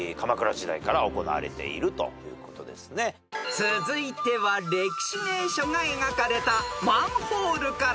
［続いては歴史名所が描かれたマンホールから出題］